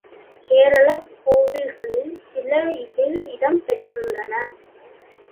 கேரளக் கோயில்களில் சில இதில் இடம் பெற்றுள்ளன.